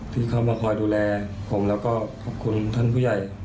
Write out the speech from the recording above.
ที่เข้ามาคอยดูแลผมแล้วก็ขอบคุณท่านผู้ใหญ่